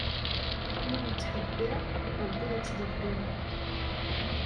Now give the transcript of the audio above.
Nekni nettḥebbiṛ, Ṛebbi ittḍebbir.